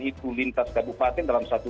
itu lintas kabupaten dalam satu